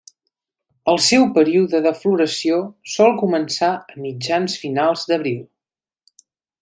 El seu període de floració sol començar a mitjans-finals d'abril.